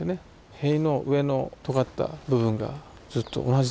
塀の上のとがった部分がずっと同じですもんね。